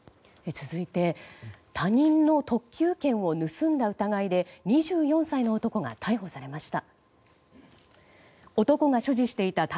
続いて他人の特急券を盗んだ疑いで２４歳の男が逮捕されました。